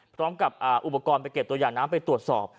พร้อมกับอุปกรณ์ไปเก็บตัวอย่างน้ำไปตรวจสอบ